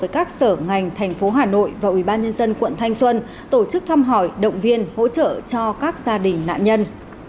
với các sở ngành tp hà nội và ubnd quận thanh xuân tổ chức thăm hỏi động viên hỗ trợ cho các gia đình nạn nhân